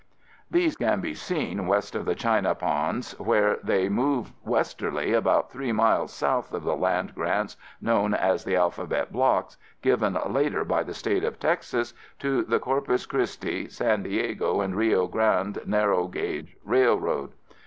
These can be seen west of the China Ponds where they move westerly about three miles south of the land grants known as the alphabet blocks, given later by the State of Texas to the Corpus Christi, San Diego and Rio Grande Narrow Gauge Rail Road.